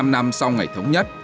bốn mươi năm năm sau ngày thống nhất